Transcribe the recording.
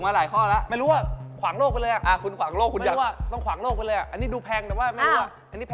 แต่เหล่ะมุ้ง๑๒๓และสดยาเตียไว้